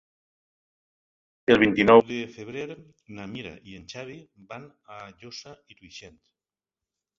El vint-i-nou de febrer na Mira i en Xavi van a Josa i Tuixén.